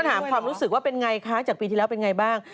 ต้องถามความรู้สึกว่าเป็นอย่างไรคะจากปีที่แล้วเป็นอย่างไรบ้าง